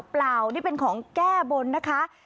เปล่านี่เป็นของแก้บนนะคะ